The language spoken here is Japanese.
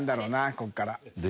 こっから。